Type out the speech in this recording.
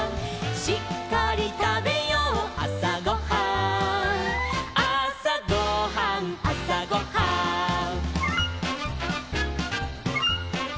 「しっかりたべようあさごはん」「あさごはんあさごはん」